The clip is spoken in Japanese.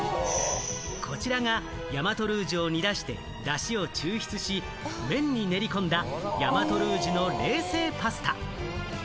こちらが大和ルージュを煮出してダシを抽出し、麺に練り込んだ大和ルージュの冷製パスタ。